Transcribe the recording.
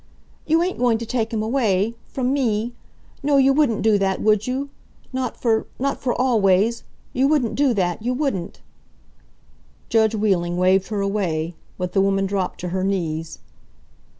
"You ain't going to take him away! From me! No, you wouldn't do that, would you? Not for not for always! You wouldn't do that you wouldn't " Judge Wheeling waved her away. But the woman dropped to her knees.